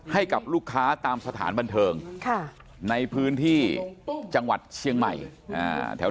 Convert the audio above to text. ให้กับลูกค้าตามสถานบันเทิงในพื้นที่จังหวัดเชียงใหม่แถว